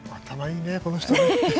頭いいね、この人は。